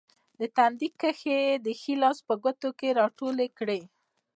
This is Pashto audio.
د تندي کرښې یې د ښي لاس په ګوتو کې راټولې کړې.